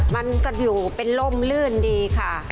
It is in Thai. มันก็อยู่เป็นร่มลื่นดีค่ะ